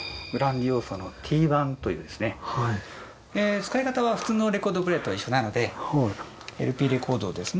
使い方は普通のレコードプレーヤーと一緒なのでＬＰレコードをですね